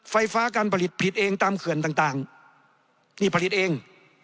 ไฟฟ้าการผลิตผิดเองตามเขื่อนต่างนี่ผลิตเอง